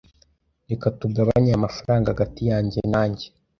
Reka tugabanye aya mafranga hagati yanjye nanjye.